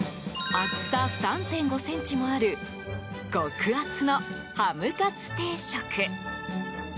厚さ３．５ｃｍもある極厚のハムカツ定食。